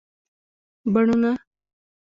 بڼونه